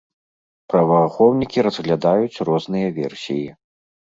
Праваахоўнікі разглядаюць розныя версіі.